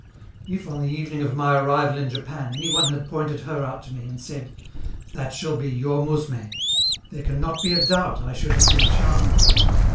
If, on the evening of my arrival in Japan, any one had pointed her out to me, and said: "That shall be your mousme," there can not be a doubt I should have been charmed.